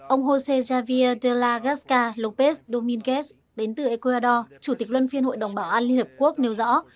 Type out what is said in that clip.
ông josé javier de la gasca lópez domínguez đến từ ecuador chủ tịch luân phiên hội đồng bảo án liên hợp quốc nêu rõ